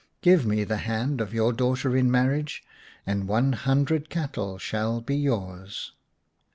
Give me the hand of your daughter in marriage, and one hundred cattle shall be yours."